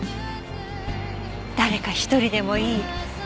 誰か一人でもいい。